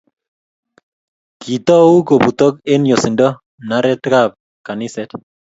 kitou kobutoko eng yosindo mnarekab kaniset